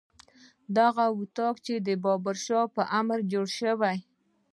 دغه طاق چې د بابر شاه په امر جوړ شو.